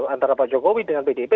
antara pak jokowi dengan pdip